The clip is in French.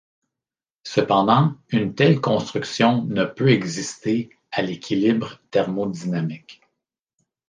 Cependant, une telle construction ne peut exister à l'équilibre thermodynamique.